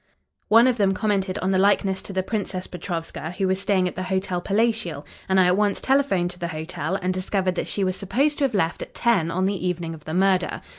One of them commented on the likeness to the Princess Petrovska, who was staying at the Hotel Palatial, and I at once telephoned to the hotel, and discovered that she was supposed to have left at ten on the evening of the murder.